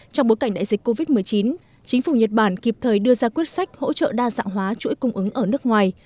trong bối cảnh đại dịch covid một mươi chín chính phủ nhật bản kịp thời đưa ra quyết sách hỗ trợ đa dạng hóa chuỗi cung ứng ở nước ngoài